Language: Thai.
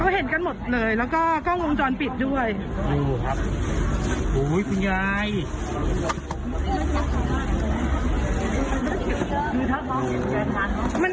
เห็นกันหมดเลยก็มองจรปิดด้วย